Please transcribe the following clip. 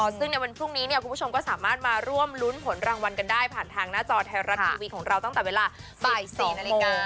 ซึ่งในวันพรุ่งนี้คุณผู้ชมก็สามารถมาร่วมรุ้นผลรางวัลกันได้ผ่านทางหน้าจอไทยรัฐทีวีของเราตั้งแต่เวลาบ่าย๔นาฬิกา